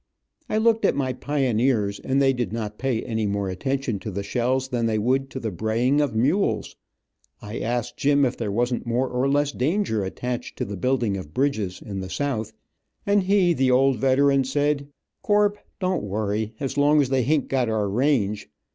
I looked at my pioneers, and they did not pay any more attention to the shells than they would, to the braying of mules. I asked Jim if there wasn't more or less danger attached to the building of bridges, in the South, and he, the old veteran, said: "Corp, don't worry as long as they hain't got our range.